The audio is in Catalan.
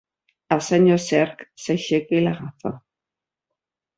El senyor Cerc s'aixeca i l'agafa.